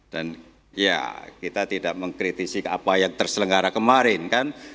dan ya kita tidak mengkritisi apa yang terselenggara kemarin kan